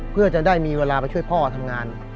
เพื่อจะได้มีเวลาไปช่วยพ่อทำงาน